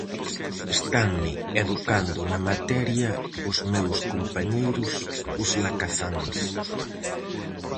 Estanme educando na materia os meus compañeiros Os Lakazáns.